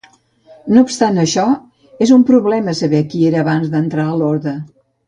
No obstant això, és un problema saber qui era abans d'entrar a l'orde.